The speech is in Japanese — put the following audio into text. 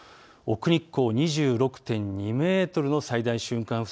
奥日光、２６．２メートルの最大瞬間